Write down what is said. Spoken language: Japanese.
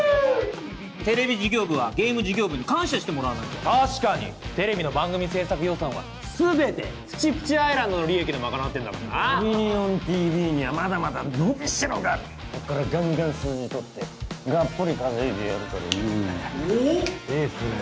テレビ事業部はゲーム事業部に感謝してもらわないと確かにテレビの番組制作予算は全てプチプチアイランドの利益で賄ってんだからなトリリオンＴＶにはまだまだ伸びしろがあるこっからガンガン数字取ってがっぽり稼いでやるからよおおっいいっすね